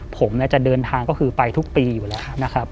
ผมจะเดินทางก็คือไปทุกปีอยู่แล้วนะครับ